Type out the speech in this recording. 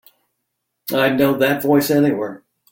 I'd know that voice anywhere.